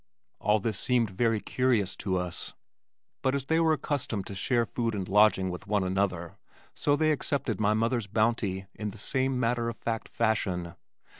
All this seemed very curious to us, but as they were accustomed to share their food and lodging with one another so they accepted my mother's bounty in the same matter of fact fashion.